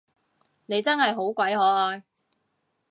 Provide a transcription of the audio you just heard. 你真係好鬼可愛